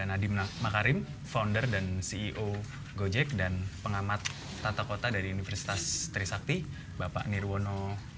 nadiem makarim founder dan ceo gojek dan pengamat tata kota dari universitas trisakti bapak nirwono